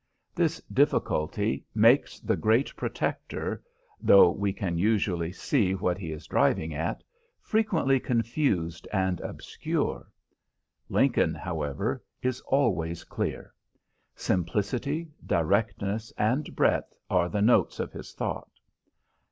This difficulty makes the great Protector, though we can usually see what he is driving at, frequently confused and obscure. Lincoln, however, is always clear. Simplicity, directness and breadth are the notes of his thought.